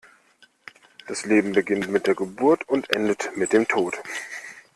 Das Leben beginnt mit der Geburt und endet mit dem Tod.